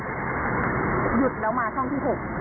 หยุดแล้วมาช่องที่๖